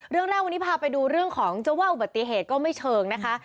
เรื่องแรกวันนี้พาไปดูเรื่องของจะว่าอุบัติเหตุก็ไม่เชิงนะคะ